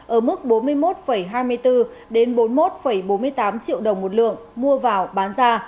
ở mức bốn mươi một hai mươi bốn bốn mươi một bốn mươi tám triệu đồng một lượng mua vào bán ra